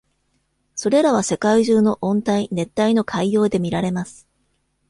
それらは、世界中の温帯、熱帯の海洋で見られます。